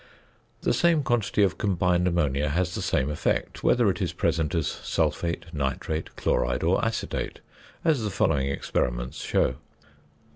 The same quantity of combined ammonia has the same effect, whether it is present as sulphate, nitrate, chloride, or acetate, as the following experiments show.